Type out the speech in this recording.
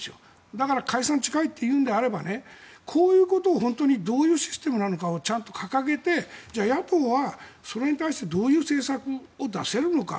だから解散が近いというのであればこういうことを本当にどういうシステムなのかをちゃんと掲げて野党は、それに対してどういう政策を出せるのか。